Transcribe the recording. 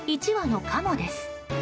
１羽のカモです。